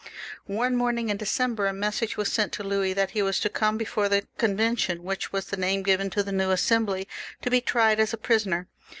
One morning in December a message was sent to Louis that he was to come before the Convention, which was the name given to the new Assembly, to be tried as a prisoner.